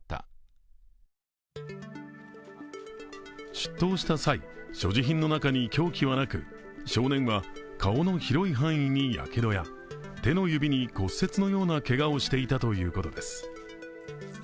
出頭した際、所持品の中に凶器はなく少年は顔の広い範囲にやけどや手の指に骨折のようなけがをしていたということです。